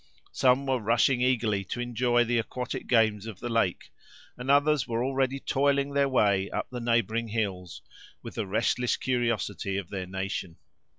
Some were rushing eagerly to enjoy the aquatic games of the lake, and others were already toiling their way up the neighboring hills, with the restless curiosity of their nation.